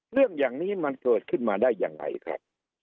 เรื่องอย่างนี้มันเกิดขึ้นมาได้ยังไงครับ